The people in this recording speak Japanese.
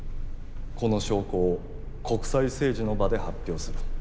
この証拠を国際政治の場で発表する。